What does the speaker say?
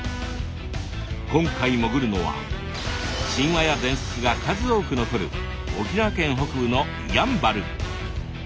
今回潜るのは神話や伝説が数多く残る沖縄県北部のやんばる。